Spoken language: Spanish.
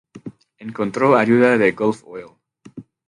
Encontró ayuda de Gulf Oil.